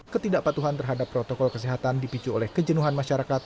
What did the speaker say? ketidakpatuhan terhadap protokol kesehatan dipicu oleh kejenuhan masyarakat